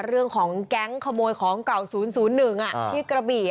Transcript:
เรื่องของแก๊งขโมยของเก่า๐๐๑ที่กระบี่